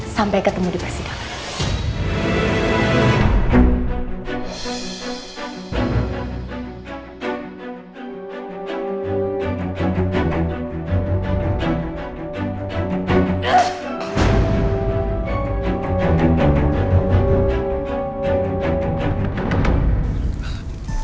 sampai ketemu di persidangan